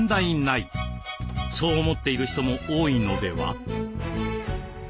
そう思っている人も多いのでは？